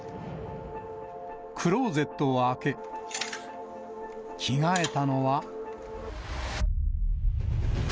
クローゼットを開け、着替えたのは。